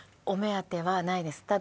お目当てはないです。